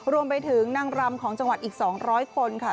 รวมไปถึงนางรำของจังหวัดอีก๒๐๐คนค่ะ